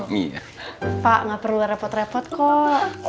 pak nggak perlu repot repot kok